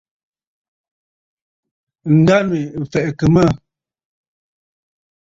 Ǹdânwì ɨ̀ fɛ̀ʼɛ̀kə̀ mə̂.